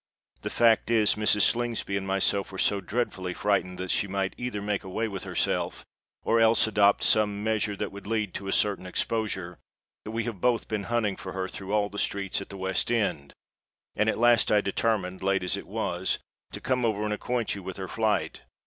"The fact is, Mrs. Slingsby and myself were so dreadfully frightened that she might either make away with herself, or else adopt some measure that would lead to a certain exposure, that we have both been hunting for her through all the streets at the West End; and at last I determined, late as it was, to come over and acquaint you with her flight.